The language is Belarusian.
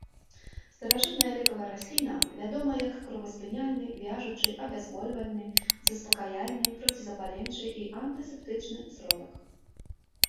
Старажытная лекавая расліна, вядома як кроваспыняльны, вяжучы, абязбольвальны, заспакаяльны, процізапаленчы і антысептычны сродак.